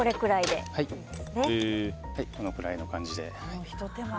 このくらいの感じで。